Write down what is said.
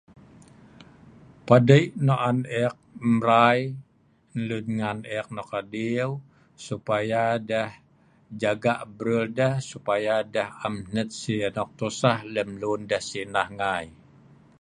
Padei' nok an eek mrai nlùn ngan ek nok adiu, supaya deh jaga brul deh, supaya deh am hnet si anok tusah lem luen deh si'nah ngai.